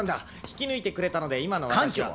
引き抜いてくれたので今の私は。